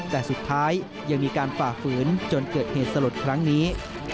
แต่สุดท้ายยังมีการฝ่าฝืนจนเกิดเหตุสลดครั้งนี้